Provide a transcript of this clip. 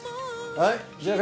はい。